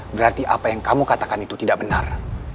berarti apa yang kamu katakan itu tidak benar